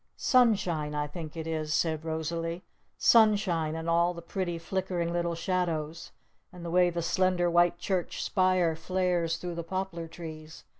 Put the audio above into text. Sunshine I think it is!" said Rosalee. "Sunshine and all the pretty flickering little shadows! And the way the slender white church spire flares through the Poplar Trees!